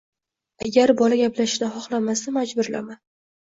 Agar bola gaplashishni xohlamasa, majburlama.